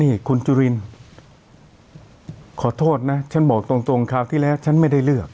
นี่คุณจุรินขอโทษนะฉันบอกตรงคราวที่แล้วฉันไม่ได้เลือก